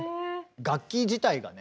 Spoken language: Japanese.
楽器自体がね